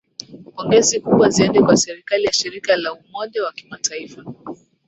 Pongezi kubwa ziende kwa serikali na shirika la Umoja wa Kimataifa